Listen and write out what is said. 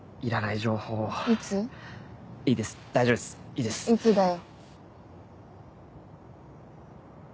いつだよ？